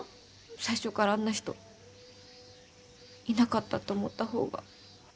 最初からあんな人いなかったと思った方が。